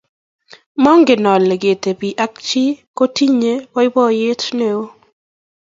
Mangen ale ketibi ak chii kotinye boiboiye ne oo.